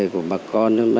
của bà con